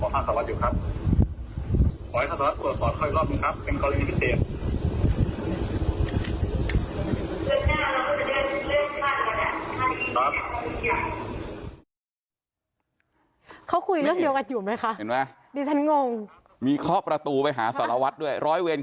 แล้วเจ้าแก่พี่เนี่ยก็ฝากดูนะคำการไปจับกุมอะไรบ้าง